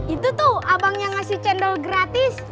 itu tuh abang yang ngasih cendol gratis